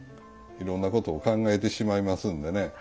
いろんなことを考えてしまいますんでね。